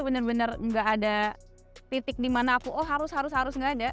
benar benar nggak ada titik di mana aku oh harus harus harus nggak ada